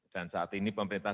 dan saat ini pemerintah